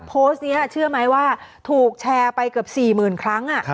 โพสต์นี้เชื่อไหมว่าถูกแชร์ไปเกือบ๔๐๐๐ครั้ง